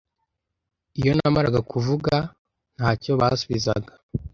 Iyo namaraga kuvuga, ntacyo basubizaga